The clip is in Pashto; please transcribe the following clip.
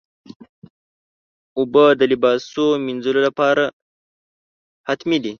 اوبه د لباسو مینځلو لپاره حتمي دي.